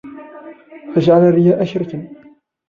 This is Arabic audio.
فَجَعَلَ الرِّيَاءَ شِرْكًا